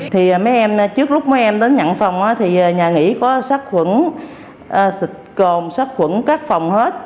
thì mấy em trước lúc mấy em đến nhận phòng thì nhà nghỉ có sát khuẩn sát khuẩn các phòng hết